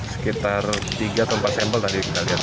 sekitar tiga atau empat sampel tadi kita lihat